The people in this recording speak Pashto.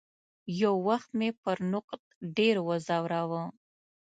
یو وخت مې پر نقد ډېر وځوراوه.